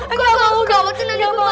enggak mau enggak mau